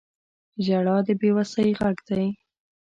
• ژړا د بې وسۍ غږ دی.